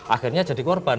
akhirnya jadi korban